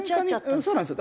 そうなんですよ。